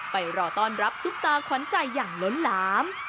รอต้อนรับซุปตาขวัญใจอย่างล้นหลาม